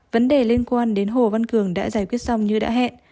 vấn đề liên quan đến hồ văn cường đã giải quyết xong như đã hẹn